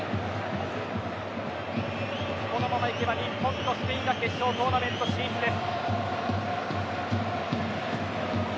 このままいけば日本とスペインが決勝トーナメント進出です。